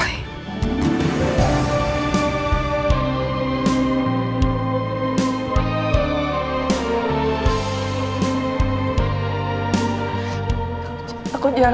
tapi tuh gak biar rna